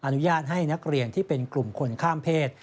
อนุญาตให้นักเรียนที่เป็นกลุ่มคนข้ามเพศ